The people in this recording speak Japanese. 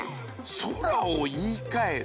ソラを言いかえる？